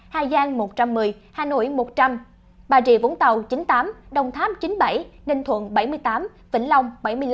hà giang một trăm một mươi hà nội một trăm linh bà rịa vũng tàu chín mươi tám đồng tháp chín mươi bảy ninh thuận bảy mươi tám vĩnh long bảy mươi năm